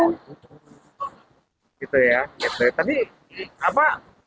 gitu ya tapi apa